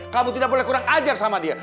kamu tidak boleh kurang ajar sama dia